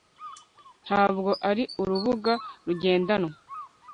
ntabwo ari urubuga rugendanwa